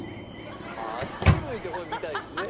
あっち向いてホイ見たいですね。